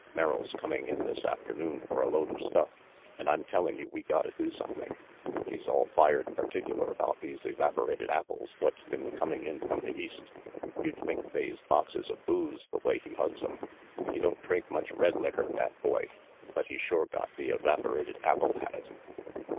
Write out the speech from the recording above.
"Merrill's coming in this afternoon for a load of stuff, and I'm telling you we gotta do some thing. He's all fired particular about these evap orated apples what's been coming in from the East. You'd think they's boxes of booze, the way he hugs 'em. He don't drink much red licker, that boy, but he's sure got the evaporated apple habit."